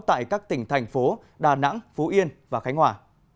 tại các tỉnh thành phố đà nẵng phú yên và khánh hòa